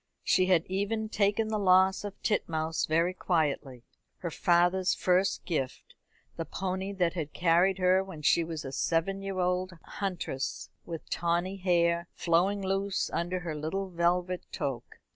She had even taken the loss of Titmouse very quietly her father's first gift, the pony that had carried her when she was a seven year old huntress with tawny hair flowing loose under her little velvet toque.